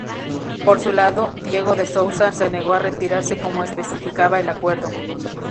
Por su lado, Diego de Souza se negó a retirarse como especificaba el acuerdo.